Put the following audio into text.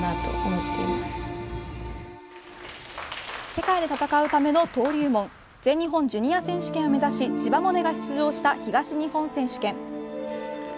世界で戦うための登竜門全日本ジュニア選手権を目指し千葉百音が出場した東日本選手権。